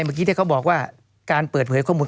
เมื่อกี้ที่เขาบอกว่าการเปิดเผยข้อมูล